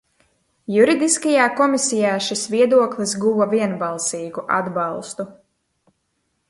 Juridiskajā komisijā šis viedoklis guva vienbalsīgu atbalstu.